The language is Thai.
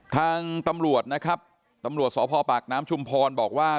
ทางตำรวจนะครับตำรวจสพปากน้ำชุมพรบอกว่า